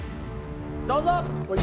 どうぞ！